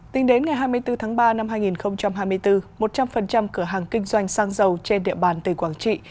tính đến ngày hai mươi bốn tháng ba năm hai nghìn hai mươi bốn một trăm linh cửa hàng kinh doanh sang giàu trên địa bàn từ quảng trị